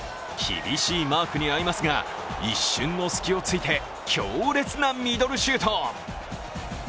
厳しいマークに遭いますが、一瞬の隙を突いて強烈なミドルシュート。